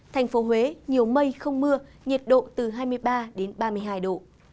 thành phố huế nhiều mây không mưa nhiệt độ từ hai mươi ba đến ba mươi hai độ